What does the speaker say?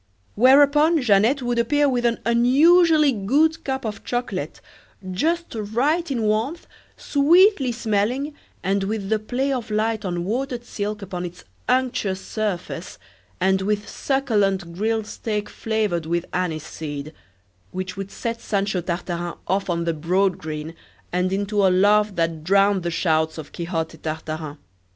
Whereupon Jeannette would appear with an unusually good cup of chocolate, just right in warmth, sweetly smelling, and with the play of light on watered silk upon its unctuous surface, and with succulent grilled steak flavoured with anise seed, which would set Sancho Tartarin off on the broad grin, and into a laugh that drowned the shouts of Quixote Tartarin.